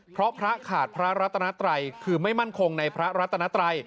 เพราะพระขาดพระรัตนาไตรคือไม่มั่นคงในพระรัตนไตร